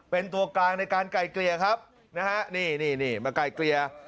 เป็นตัวกลางในการไกลเกลี่ยครับนะฮะนี่นี่มาไกลเกลี่ย